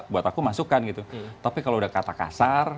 buat aku masukan gitu tapi kalau udah kata kasar